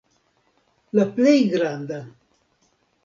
La plej granda.